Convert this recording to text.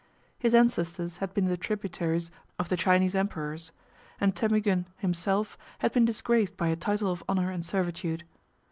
His ancestors had been the tributaries of the Chinese emperors; and Temugin himself had been disgraced by a title of honor and servitude.